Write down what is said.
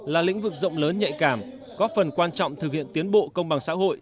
là lĩnh vực rộng lớn nhạy cảm có phần quan trọng thực hiện tiến bộ công bằng xã hội